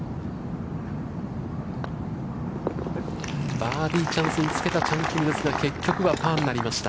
バーディーチャンスにつけたチャン・キムですが、結局はパーになりました。